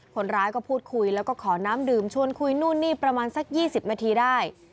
คนร้ายก็พูดคุยแล้วก็ขอน้ำดื่มชวนคุยนู่นนี่ประมาณสัก๒๐นาทีได้